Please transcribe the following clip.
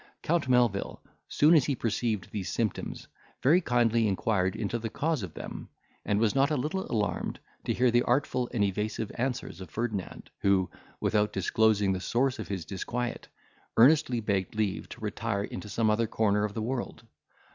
Count Melvil, soon as he perceived these symptoms, very kindly inquired into the cause of them, and was not a little alarmed to hear the artful and evasive answers of Ferdinand, who, without disclosing the source of his disquiet, earnestly begged leave to retire into some other corner of the world.